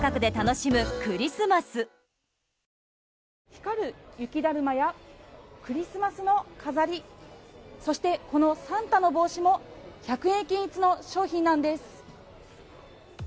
光る雪だるまやクリスマスの飾りそして、このサンタの帽子も１００円均一の商品なんです。